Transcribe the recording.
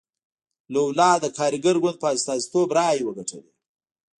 لولا د کارګر ګوند په استازیتوب رایې وګټلې.